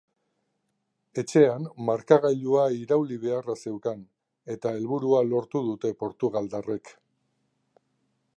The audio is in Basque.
Etxean markagailua irauli beharra zeukan eta helburua lortu dute portugaldarrek.